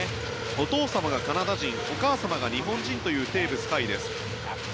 お父様がカナダ人お母様が日本人というテーブス海です。